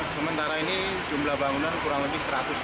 sementara ini jumlah bangunan kurang lebih seratus bangunan